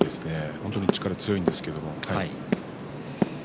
本当に力が強いんです。